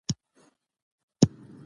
زموږ اقتصاد یو دی.